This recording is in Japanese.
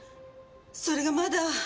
それがまだ。